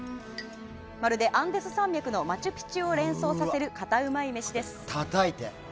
まるでアンデス山脈のマチュピチュを連想させるカタうまい飯です。